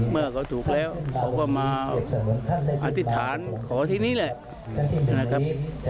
เมื่อเขาถูกแล้วเขาก็มาอธิษฐานขอที่นี้แหละนะครับ